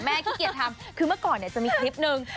ขี้เกียจทำคือเมื่อก่อนเนี่ยจะมีคลิปนึง